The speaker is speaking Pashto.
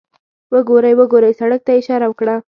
وګورئ، وګورئ، سړک ته یې اشاره وکړه.